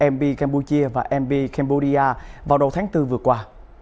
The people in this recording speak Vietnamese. mp cambodia và mp cambodia vào đầu tháng bốn vừa qua